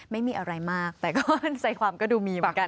ไม่มีอะไรมากแต่ก็มั่นใจความก็ดูมีเหมือนกัน